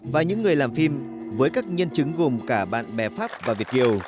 và những người làm phim với các nhân chứng gồm cả bạn bè pháp và việt kiều